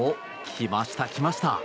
来ました、来ました。